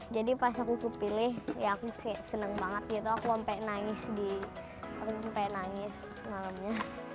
jadi pas aku kepilih ya aku seneng banget gitu aku sampai nangis malamnya